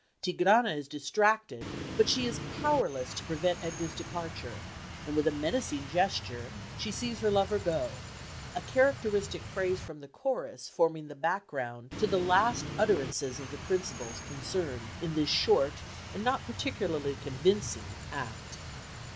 Tigrana is distracted, but she is powerless to prevent Edgar's departure, and with a menacing gesture she sees her lover go, a characteristic phrase from the chorus forming the background to the last utterances of the principals concerned in this short and not particularly convincing act.